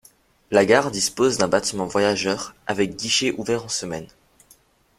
La gare dispose d'un bâtiment voyageur avec guichet ouvert en semaine.